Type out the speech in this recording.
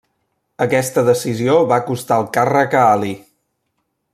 Aquesta decisió va costar el càrrec a Ali.